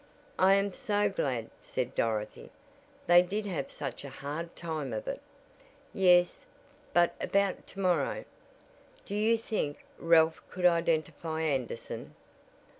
"I am so glad," said Dorothy. "They did have such a hard time of it." "Yes, but about to morrow. Do you think Ralph could identify Anderson?